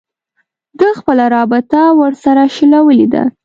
ده خپله رابطه ورسره شلولې ده